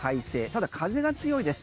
ただ、風が強いです。